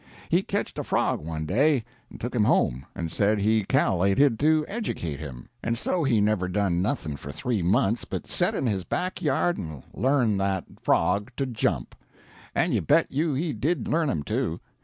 He ketched a frog one day, and took him home, and said he cal'lated to educate him; and so he never done nothing for three months but set in his back yard and learn that frog to jump. And you bet you he did learn him, too.